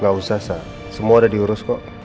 nggak usah sa semua udah diurus kok